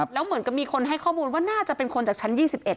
แล้วเหมือนกับมีคนให้ข้อมูลว่าน่าจะเป็นคนจากชั้น๒๑